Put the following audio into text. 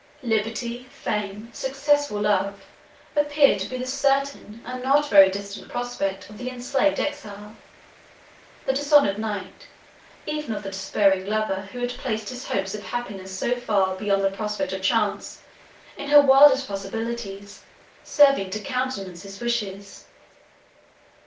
Liberty, fame, successful love, appeared to be the certain and not very distant prospect of the enslaved exile, the dishonoured knight, even of the despairing lover who had placed his hopes of happiness so far beyond the prospect of chance, in her wildest possibilities, serving to countenance his wishes.